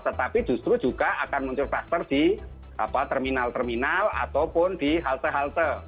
tetapi justru juga akan muncul klaster di terminal terminal ataupun di halte halte